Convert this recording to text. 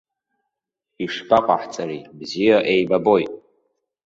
Ишԥаҟаҳҵари, бзиа еибабоит.